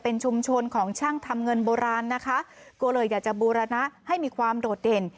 เป็นชุมชนของช่างทำเงินโบราณนะคะก็เลยอยากจะบูรณะให้มีความโดดเด่น